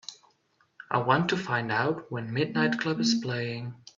I want to find out when Midnight Club is playing